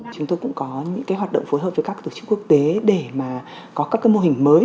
chúng tôi cũng có những hoạt động phối hợp với các tổ chức quốc tế để có các mô hình mới